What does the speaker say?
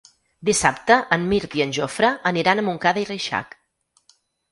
Dissabte en Mirt i en Jofre aniran a Montcada i Reixac.